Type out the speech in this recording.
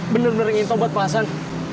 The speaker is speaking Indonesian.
bener bener ingin tol buat pak hasan